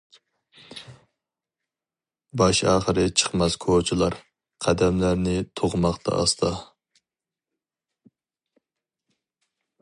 باش-ئاخىرى چىقماس كوچىلار، قەدەملەرنى تۇغماقتا ئاستا.